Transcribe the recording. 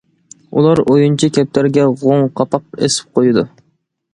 ئۇلار، ئويۇنچى كەپتەرگە غوڭ قاپاق ئېسىپ قويىدۇ.